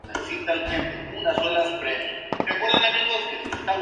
En la ribera este del lago desagua el río Roach, su segundo mayor afluente.